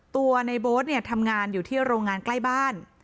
ตัวในโบ๊ทเนี่ยทำงานอยู่ที่โรงงานใกล้บ้าน